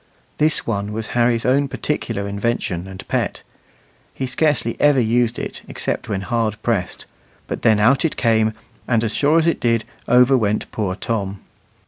This one was Harry's own particular invention and pet; he scarcely ever used it except when hard pressed, but then out it came, and as sure as it did, over went poor Tom.